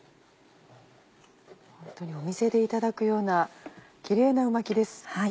ホントにお店でいただくようなキレイなう巻きです。